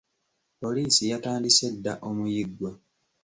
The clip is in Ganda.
Poliisi yatandise dda omuyiggo.